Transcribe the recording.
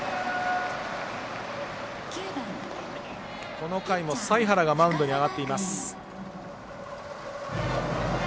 この回も財原がマウンドに上がっています。